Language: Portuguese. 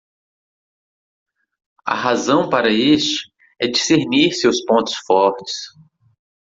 A razão para este? é discernir seus pontos fortes.